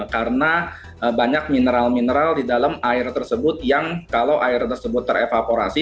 karena banyak mineral mineral di dalam air tersebut yang kalau air tersebut terevaporasi